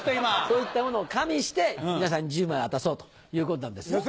そういったものを加味して皆さんに１０枚渡そうということなんですよ。